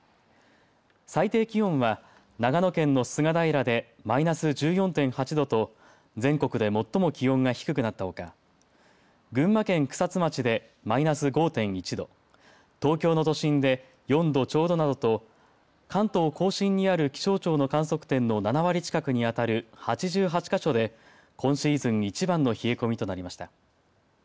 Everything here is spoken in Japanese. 最低気温は長野県の菅平でマイナス１４．８度と全国で最も気温が低くなったほか群馬県草津町でマイナス５．１度東京の都心で４度ちょうどなどと関東甲信にある気象庁の観測点の７割近くにあたる８８か所で今シーズン一番の冷え込みとなりました。